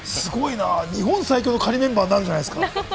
日本最強の仮メンバーになるんじゃないですか？